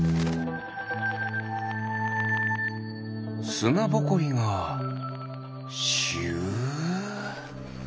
すなぼこりがシュ。